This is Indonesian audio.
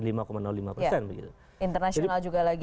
internasional juga lagi stagnan